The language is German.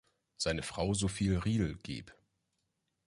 Seine Frau Sofie Riehl, geb.